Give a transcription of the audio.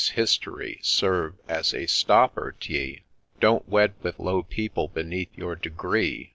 's history serve as a stopper t'ye ; Don't wed with low people beneath your degree.